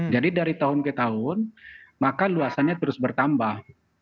jadi dari tahun ke tahun maka luasannya terus bertambah